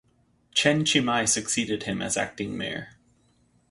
Chen Chi-mai succeeded him as acting mayor.